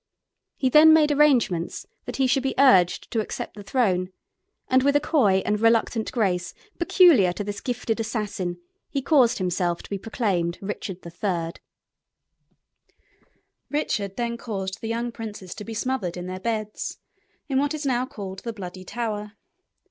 He then made arrangements that he should be urged to accept the throne, and with a coy and reluctant grace peculiar to this gifted assassin, he caused himself to be proclaimed Richard III. [Illustration: DEATH OF BUCKINGHAM.] Richard then caused the young princes to be smothered in their beds, in what is now called the Bloody Tower.